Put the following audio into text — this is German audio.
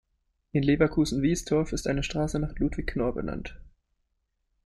In Leverkusen-Wiesdorf ist eine Straße nach Ludwig Knorr benannt.